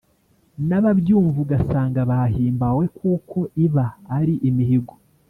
n'ababyumva ugasanga bahimbawe kuko iba ari imihigo